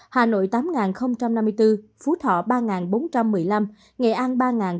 hà nội tám năm mươi bốn phú thọ ba bốn trăm một mươi năm nghệ an ba ba trăm một mươi năm